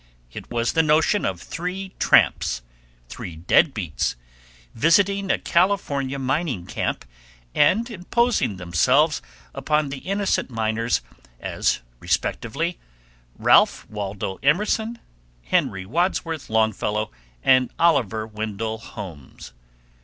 It was the notion of three tramps, three deadbeats, visiting a California mining camp, and imposing themselves upon the innocent miners as respectively Ralph Waldo Emerson, Henry Wadsworth Longfellow, and Oliver Wendell Holmes.